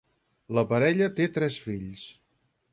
La parella té tres fills.